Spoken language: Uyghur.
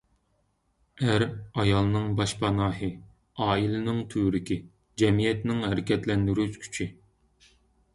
ئەر – ئايالنىڭ باشپاناھى، ئائىلىنىڭ تۈۋرۈكى، جەمئىيەتنىڭ ھەرىكەتلەندۈرگۈچ كۈچى.